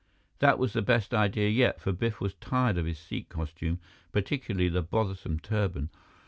That was the best idea yet, for Biff was tired of his Sikh costume, particularly the bothersome turban.